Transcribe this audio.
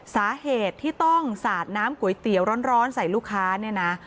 สาเหตุที่ต้องสาดน้ำก๋วยเตี๋ยวร้อนใส่ลูกค้าเนี่ยนะ